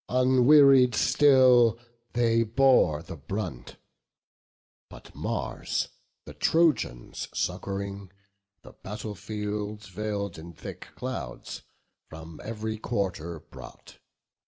Unwearied still, they bore the brunt; but Mars The Trojans succouring, the battle field Veil'd in thick clouds, from ev'ry quarter brought.